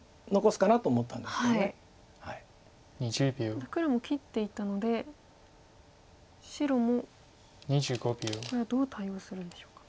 ただ黒も切っていったので白もこれはどう対応するんでしょうか。